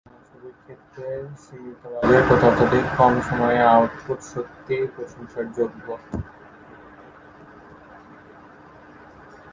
বাংলা ছবির ক্ষেত্রে সীমিত বাজেট ও ততোধিক কম সময়ে এই আউটপুট সত্যিই প্রশংসার যোগ্য।